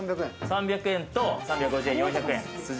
３００円と３５０円、４００円